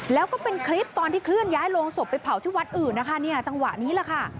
แล้วก็เป็นคลิปตอนที่เคลื่อนย้ายโรงศพไปเผาที่วัดอื่นนะคะเนี่ยจังหวะนี้แหละค่ะ